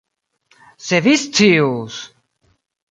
Se vi scius!